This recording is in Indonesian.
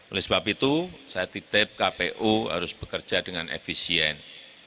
oleh sebab itu saya titip kpu harus bekerja dengan efisien